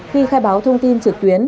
khi khai báo thông tin trực tuyến